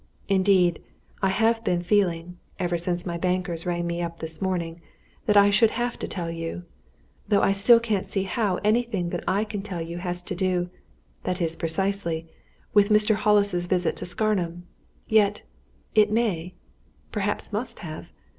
Indeed, I have been feeling, ever since my bankers rang me up this morning, that I should have to tell you though I still can't see how anything that I can tell you has to do that is, precisely with Mr. Hollis's visit to Scarnham. Yet it may perhaps must have.